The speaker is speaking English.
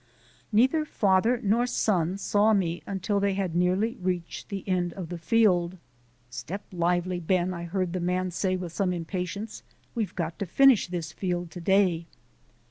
Neither father nor son saw me until they had nearly reached the end of the field. "Step lively, Ben," I heard the man say with some impatience; "we've got to finish this field to day."